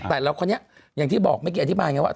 แต่เราคนนี้อย่างที่บอกเมื่อกี้อธิบายไงว่า